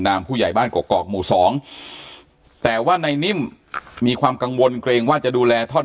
ผู้ใหญ่บ้านกอกหมู่สองแต่ว่าในนิ่มมีความกังวลเกรงว่าจะดูแลท่อน